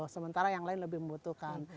sementara yang lain lebih membutuhkan